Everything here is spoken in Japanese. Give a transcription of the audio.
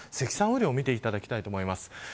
雨量を見ていただきたいと思います。